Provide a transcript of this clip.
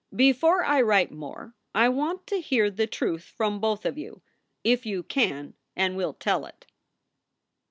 Before I write more I want to hear the truth from both of you, if you can and will tell it.